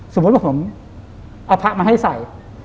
สมมุติว่าก็ผมเอาผักให้ใส่